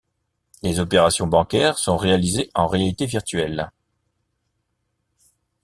Les opérations bancaires sont réalisées en réalité virtuelle.